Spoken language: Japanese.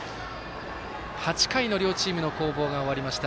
８回の両チームの攻防が終わりました。